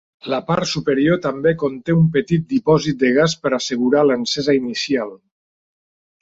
La part superior també conté un petit dipòsit de gas per assegurar l'encesa inicial.